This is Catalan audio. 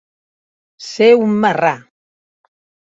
Ser un marrà.